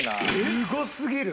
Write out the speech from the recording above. すごすぎる。